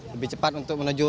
lebih cepat untuk menangkap